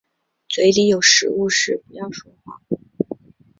嘴里有食物时不要说话。